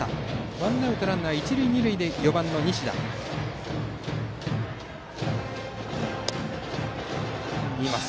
ワンアウトランナー、一塁二塁で４番の西田です。